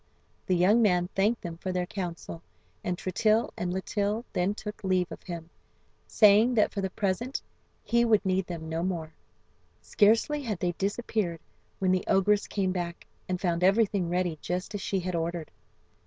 The young man thanked them for their counsel, and Tritill and Litill then took leave of him, saying that for the present he would need them no more. Scarcely had they disappeared when the ogress came back, and found everything ready just as she had ordered.